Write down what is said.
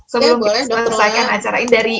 sebelum kita selesaikan acara ini